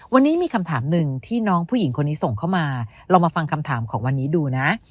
วันนี้มีคำถามหนึ่งที่น้องผู้หญิงคนนี้ส่งเข้ามาลองมาฟังคำถามของวันนี้ดูนะ